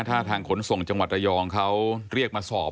ถ้าทางขนส่งจังหวัดระยองเขาเรียกมาสอบ